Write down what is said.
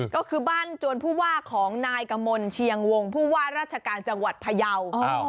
ก็คือบ้านจวนผู้ว่าของนายกมลเชียงวงผู้ว่าราชการจังหวัดพยาว